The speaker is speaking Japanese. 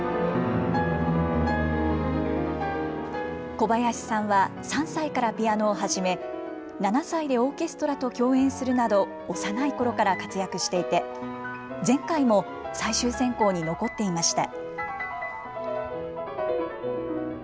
小林さんは３歳からピアノを始め、７歳でオーケストラと共演するなど、幼いころから活躍していて、前回も最終選考に残っていました。